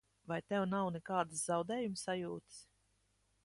Vai tev nav nekādas zaudējuma sajūtas?